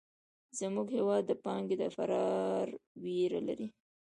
زموږ هېواد د پانګې د فرار وېره لري.